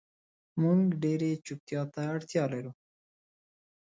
مونږ ډیرې چوپتیا ته اړتیا لرو